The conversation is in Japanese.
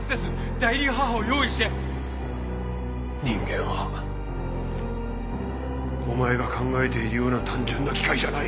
代理母を用意して人間はお前が考えているような単純な機械じゃない。